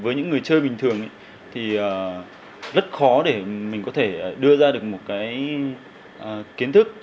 với những người chơi bình thường thì rất khó để mình có thể đưa ra được một cái kiến thức